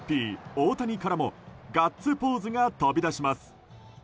大谷からもガッツポーズが飛び出します。